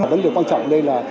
vấn đề quan trọng đây là